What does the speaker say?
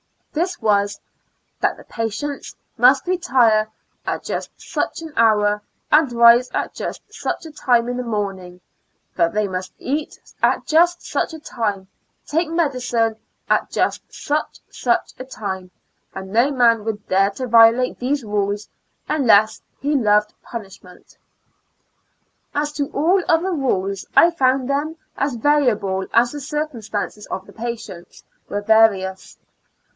This was, 176 Two Years AND Four Months tliat the patients must retire at just such an hour and rise at just such a time in the morning ; that they must eat at just such a time, take medicine at just such such a time, and no man would dare to violate these rules unless he loved punishment. As to all other rules, I found them as variable as the circumstances of the patients were various.